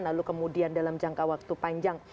lalu kemudian dalam jangka waktu panjang